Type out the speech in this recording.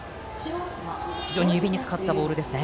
非常に指にかかったボールでしたね。